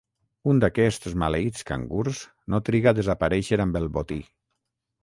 Un d'aquests maleïts cangurs no triga a desaparèixer amb el botí.